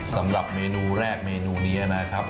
สำหรับเมนูแรกเมนูนี้นะครับ